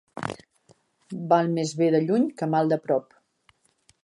Val més bé de lluny que mal de prop.